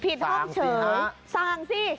ผิดห้องเฉยส่างสิ